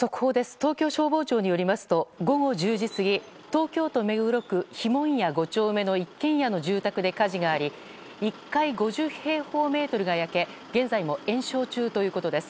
東京消防庁によりますと午後１０時過ぎ東京都目黒区碑文谷５丁目の一軒家の住宅で火事があり１階５０平方メートルが焼け現在も延焼中ということです。